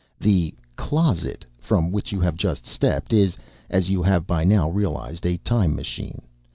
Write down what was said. "The 'closet' from which you have just stepped is, as you have by now realized, a time machine.